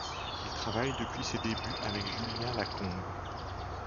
Il travaille depuis ses débuts avec Julien Lacombe.